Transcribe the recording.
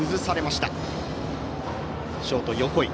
ショート、横井。